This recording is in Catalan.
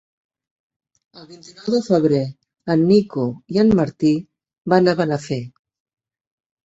El vint-i-nou de febrer en Nico i en Martí van a Benafer.